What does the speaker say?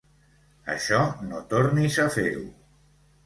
Això, no tornis a fer-ho.